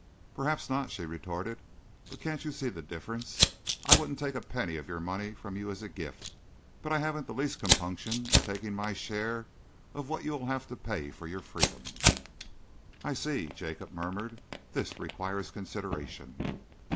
"Perhaps not," she retorted, "but can't you see the difference? I wouldn't take a penny of your money from you as a gift, but I haven't the least compunction in taking my share of what you will have to pay for your freedom." "I see," Jacob murmured. "This requires consideration."